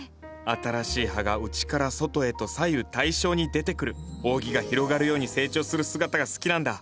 新しい葉が内から外へと左右対称に出てくる扇が広がるように成長する姿が好きなんだ。